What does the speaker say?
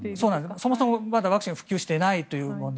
そもそも、まだワクチンが普及していないという問題。